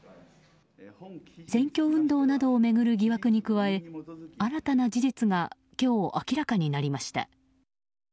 選挙運動などを巡る疑惑に加え新たな事実が今日、明らかになりました。